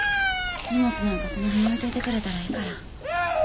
荷物なんかその辺に置いといてくれたらええから。